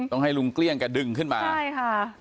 ต้องให้ลุงเกลี้ยงกระดึงขึ้นมาใช่ค่ะ